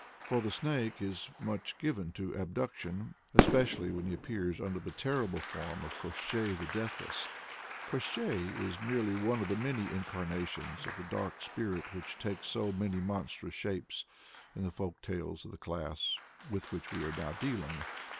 For the snake is much given to abduction, especially when he appears under the terrible form of "Koshchei, the Deathless." Koshchei is merely one of the many incarnations of the dark spirit which takes so many monstrous shapes in the folk tales of the class with which we are now dealing.